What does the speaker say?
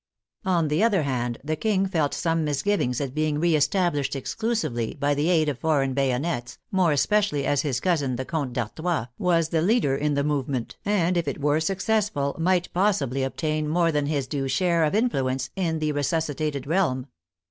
On the other hand, the King felt some misgivings at being reestab lished exclusively by the aid of foreign bayonets, more especially as his cousin, the Comte d'Artois, was the leader in the movement, and if it were successful might possibly obtain more than his due share of influence in the resuscitated realm.